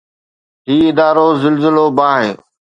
هي ادارو زلزلو، باهه